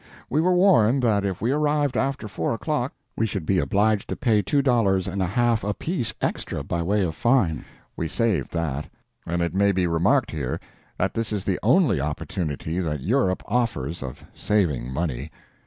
We were warned that if we arrived after four o'clock we should be obliged to pay two dollars and a half apiece extra by way of fine. We saved that; and it may be remarked here that this is the only opportunity that Europe offers of saving money.